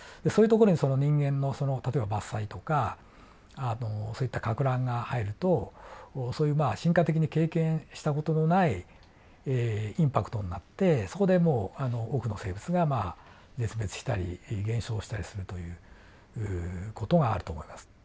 そういうところにその人間の例えば伐採とかそういったかく乱が入るとそういうまあ進化的に経験した事のないインパクトになってそこでもう多くの生物がまあ絶滅したり減少したりするという事があると思います。